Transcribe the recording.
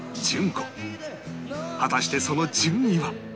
果たしてその順位は？